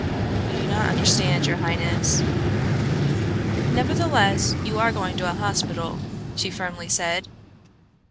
"You do not understand, your highness." "Nevertheless, you are going to a hospital," she firmly said.